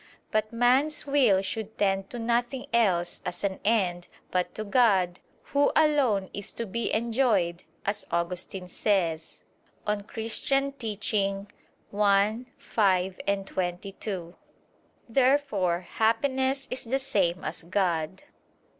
But man's will should tend to nothing else as an end, but to God, Who alone is to be enjoyed, as Augustine says (De Doctr. Christ. i, 5, 22). Therefore happiness is the same as God.